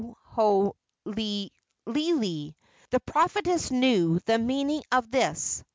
The prophetess knew the meaning of this.